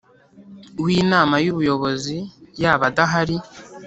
w Inama y Ubuyobozi yaba adahari